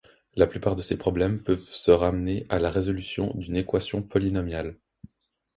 La plupart de ces problèmes peuvent se ramener à la résolution d'une équation polynomiale.